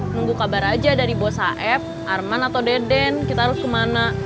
nunggu kabar aja dari bos hf arman atau deden kita harus kemana